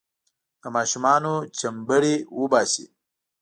د ماشومانو چمبړې وباسي.